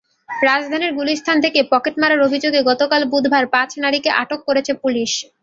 রাজধানীর গুলিস্তান থেকে পকেট মারার অভিযোগে গতকাল বুধবার পাঁচ নারীকে আটক করেছে পুলিশ।